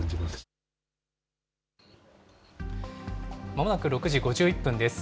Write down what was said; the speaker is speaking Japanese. まもなく６時５１分です。